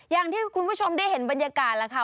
อย่างที่คุณผู้ชมได้เห็นบรรยากาศแล้วค่ะ